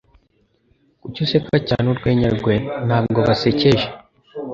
Kuki useka cyane urwenya rwe? Ntabwo basekeje.